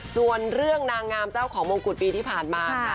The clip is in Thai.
ส่วนเรื่องนางงามเจ้าของมงกุฎปีที่ผ่านมาค่ะ